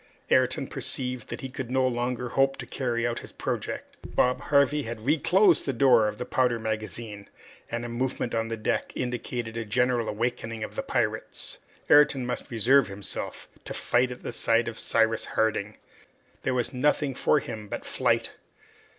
Ayrton perceived that he could no longer hope to carry out his project. Bob Harvey had reclosed the door of the powder magazine, and a movement on the deck indicated a general awakening of the pirates. Ayrton must reserve himself to fight at the side of Cyrus Harding. There was nothing for him but flight!